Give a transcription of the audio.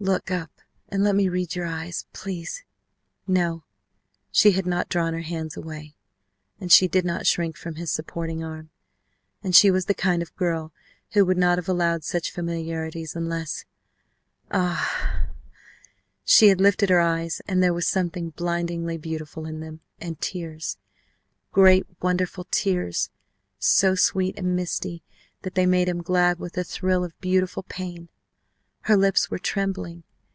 Look up and let me read your eyes, please " No, she had not drawn her hands away, and she did not shrink from his supporting arm and she was the kind of girl who would not have allowed such familiarities unless Ah! She had lifted her eyes and there was something blindingly beautiful in them, and tears great wonderful tears, so sweet and misty that they made him glad with a thrill of beautiful pain! Her lips were trembling.